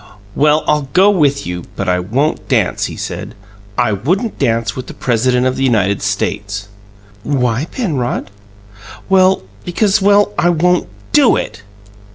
"Well, I'll go with you; but I won't dance," he said "I wouldn't dance with the President of the United States" "Why, Penrod?" "Well because well, I won't DO it!"